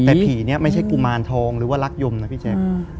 แต่ผีนี้ไม่ใช่กุมารทองหรือว่ารักยมนะพี่แจ๊ค